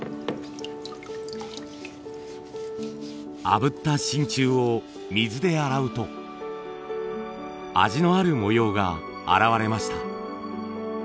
あぶった真鍮を水で洗うと味のある模様が現れました。